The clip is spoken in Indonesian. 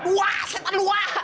dua setan dua